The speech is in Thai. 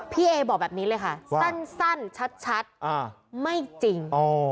พี่เอบอกแบบนี้เลยค่ะสั้นชัดไม่จริง